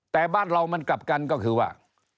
แต่บ้านเรามันกลับกันก็คือว่า